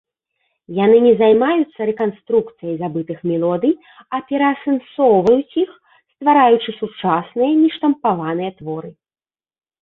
Яны не займаюцца рэканструкцыяй забытых мелодый, а пераасэнсоўваюць іх, ствараючы сучасныя, нештампаваныя творы.